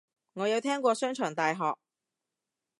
我有聽過商場大學